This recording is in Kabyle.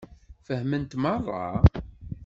Fehment meṛṛa?